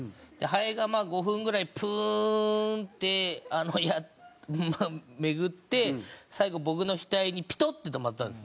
ハエがまあ５分ぐらいプーンってあのまあ巡って最後僕の額にピトッて止まったんですね。